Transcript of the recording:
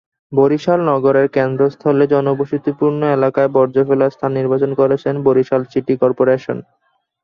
বরিশাল নগরের কেন্দ্রস্থলে জনবসতিপূর্ণ এলাকায় বর্জ্য ফেলার স্থান নির্বাচন করেছে বরিশাল সিটি করপোরেশন।